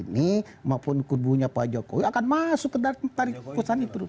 ini maupun kubunya pak jokowi akan masuk ke dari kusani itu